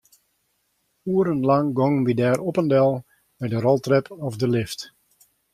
Oerenlang gongen wy dêr op en del mei de roltrep of de lift.